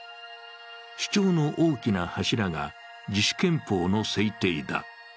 主張の大きな柱が自主憲法の制定だ。